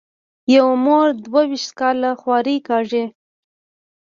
یوه مور دوه وېشت کاله خواري کاږي.